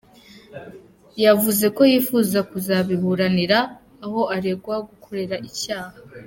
Yavuze ko yifuza kuzabiburanira aho aregwa gukorera icyaha.